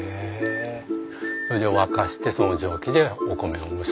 それで沸かしてその蒸気でお米を蒸すと。